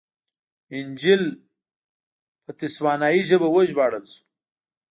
انجییل په تسوانایي ژبه وژباړل شو.